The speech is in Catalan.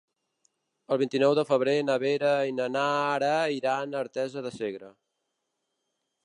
El vint-i-nou de febrer na Vera i na Nara iran a Artesa de Segre.